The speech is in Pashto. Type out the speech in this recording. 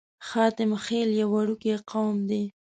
حاتم خيل يو وړوکی قوم دی.